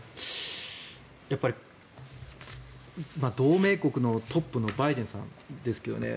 やっぱり同盟国のトップのバイデンさんですけどね